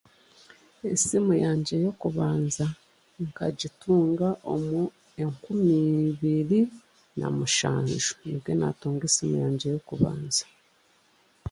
Esimu yangye y'okubanza nkagitunga omu nkumi ibiri na mushanju nibwe naatunga esimu yangye y'okubanza